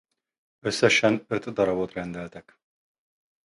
Összesen öt darabot rendeltek.